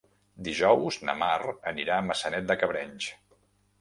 Dijous na Mar anirà a Maçanet de Cabrenys.